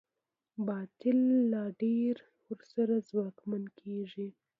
باطل لا ډېر ورسره ځواکمن کېږي.